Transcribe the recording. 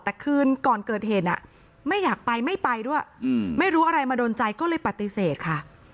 แต่คืนก่อนเกิดเหตุไม่อยากไปไม่ไปด้วยไม่รู้อะไรมาโดนใจก็เลยปฏิเสธค่ะ